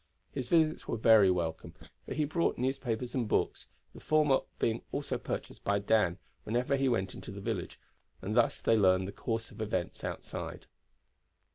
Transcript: His visits were very welcome, for he brought newspapers and books, the former being also purchased by Dan whenever he went into the village, and thus they learned the course of events outside.